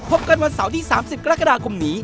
พบกันวันเสาร์ที่๓๐กรกฎาคมนี้